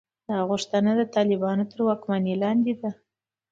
دا غوښتنه د طالبانو تر واکمنۍ لاندې ده.